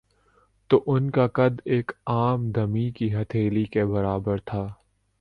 تو ان کا قد ایک عام دمی کی ہتھیلی کے برابر تھا